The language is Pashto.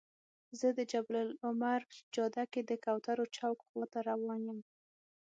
زه د جبل العمر جاده کې د کوترو چوک خواته روان یم.